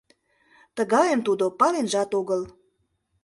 Тыгайым тудо паленжат огыл.